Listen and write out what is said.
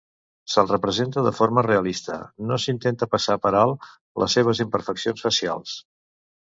Se'l representa de forma realista; no s'intenta passar per alt les seves imperfeccions facials.